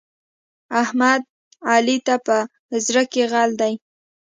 احمد؛ علي ته په زړه کې غل دی.